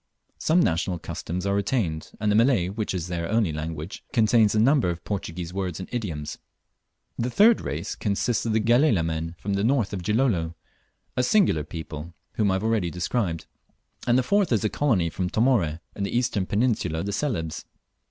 Some national customs are retained, and the Malay, which is their only language, contains a large number of Portuguese words and idioms. The third race consists of the Galela men from the north of Gilolo, a singular people, whom I have already described; and the fourth is a colony from Tomóre, in the eastern peninsula of Celebes.